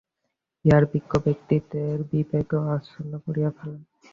ইহারা বিজ্ঞ ব্যক্তিদের বিবেকও আচ্ছন্ন করিয়া ফেলে।